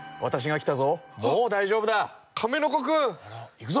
いくぞ！